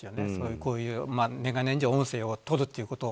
こういう年がら年中音声を録るということは。